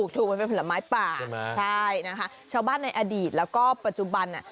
ถูกมันเป็นผลไม้ป่าชาวบ้านในอดีตแล้วก็ปัจจุบันน่ะ